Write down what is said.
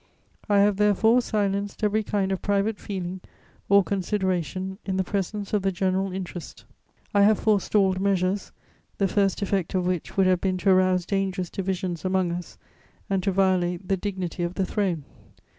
I have, therefore, silenced every kind of private feeling or consideration in the presence of the general interest; I have forestalled measures, the first effect of which would have been to arouse dangerous divisions among us and to violate the dignity of the Throne.